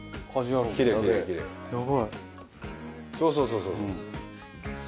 そうそうそうそうそう。